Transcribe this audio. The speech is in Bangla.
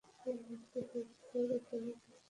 তোমার লেখাটি হয়ে গেছে নাকি?